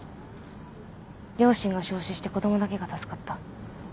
両親が焼死して子供だけが助かった。